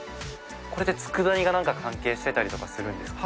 これって佃煮がなんか関係してたりとかするんですか？